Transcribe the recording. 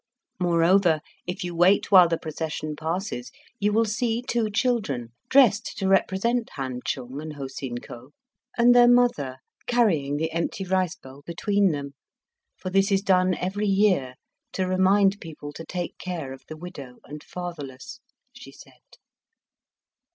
"Moreover, if you wait while the procession passes, you will see two children dressed to represent Han Chung and Ho Seen Ko, and their mother carrying the empty rice bowl between them; for this is done every year to remind people to take care of the widow and fatherless," she said.